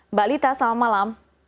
mbak lita selamat malam